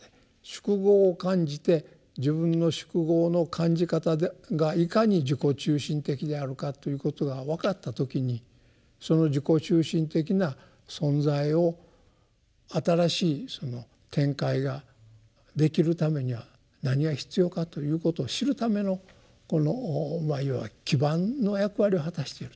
「宿業」を感じて自分の「宿業」の感じ方がいかに自己中心的であるかということが分かった時にその自己中心的な存在を新しい展開ができるためには何が必要かということを知るためのこのいわば基盤の役割を果たしていると。